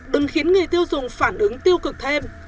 đừng khiến người tiêu dùng phản ứng tiêu cực thêm